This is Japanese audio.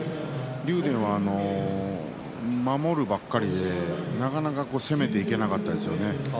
竜電は守るばかりでなかなか攻めていけなかったですね。